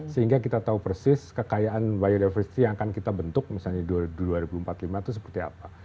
sehingga kita tahu persis kekayaan biodiversity yang akan kita bentuk misalnya di dua ribu empat puluh lima itu seperti apa